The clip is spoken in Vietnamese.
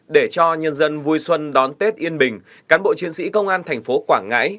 để cho nhân dân vui xuân đón tết yên bình cán bộ chiến sĩ công an thành phố quảng ngãi